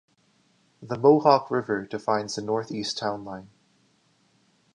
The Mohawk River defines the northeast town line.